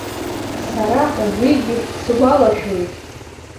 Сара убригьы сгәалашәоит.